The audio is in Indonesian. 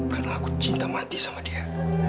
karena aku cinta mati sama dia